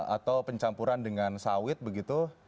atau pencampuran dengan sawit begitu